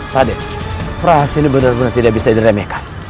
tade perasaan ini benar benar tidak bisa diremehkan